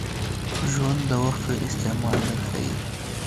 ژوند د وخت ښه استعمال در ښایي .